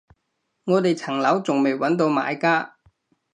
我哋層樓仲未搵到買家